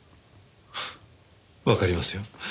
フッわかりますよ。